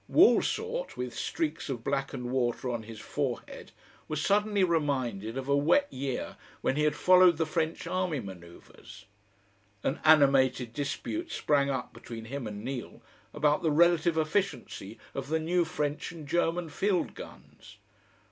Waulsort, with streaks of blackened water on his forehead, was suddenly reminded of a wet year when he had followed the French army manoeuvres. An animated dispute sprang up between him and Neal about the relative efficiency of the new French and German field guns.